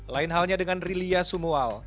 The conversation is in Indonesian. lain halnya dengan rilia sumual